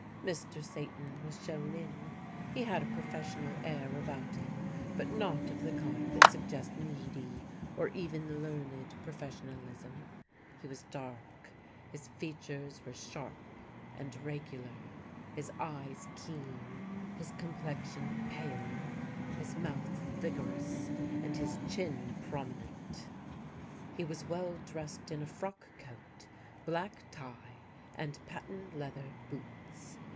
Mr. Satan was shown in. He had a professional air about him, but not of the kind that suggests needy or even learned professionalism. He was dark; his features were sharp and regular, his eyes keen, his complexion pale, his mouth vigorous, and his chin prominent. He was well dressed in a frock coat, black tie, and patent leather boots.